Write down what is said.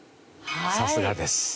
さすがです。